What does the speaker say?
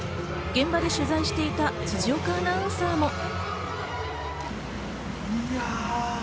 現場で取材していた辻岡アナウンサーも。